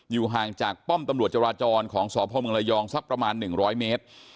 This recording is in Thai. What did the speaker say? ห่างจากป้อมตำรวจจราจรของสพเมืองระยองสักประมาณ๑๐๐เมตร